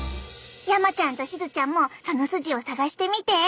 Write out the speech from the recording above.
山ちゃんとしずちゃんもその筋を探してみて！